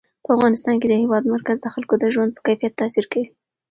په افغانستان کې د هېواد مرکز د خلکو د ژوند په کیفیت تاثیر کوي.